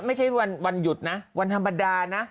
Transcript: ไม่ใช่วันหยุดนะวันธรรมดานะ